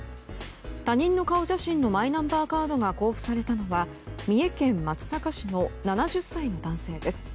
他人の顔写真のマイナンバーカードが交付されたのは三重県松阪市の７０歳の男性です。